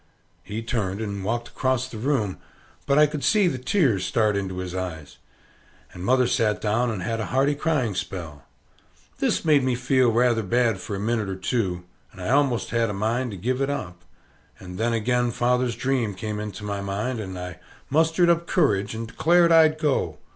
He turned and walked across the room, but I could see the tears start into his eyes. And mother sat down and had a hearty crying spell. This made me feel rather bad for a minit or two, and I almost had a mind to give it up; and then again father's dream came into my mind, and I mustered up courage, and declared I'd go.